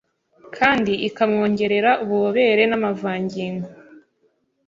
kandi ikamwongerera ububobere n’amavangingo